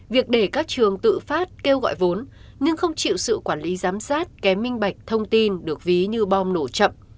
việc để các trường tự phát kêu gọi vốn nhưng không chịu sự quản lý giám sát kém minh bạch thông tin được ví như bom nổ chậm